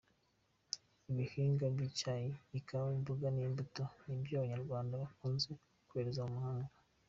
Ibihingwa nk’icyayi, ikawa, imboga n’imbuto, nibyo Abanyarwanda bakunze kohereza mu mahanga.